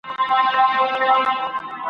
له آفته د بازانو په امان وي `